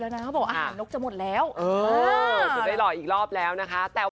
เออถึงได้รออีกรอบแล้วนะคะ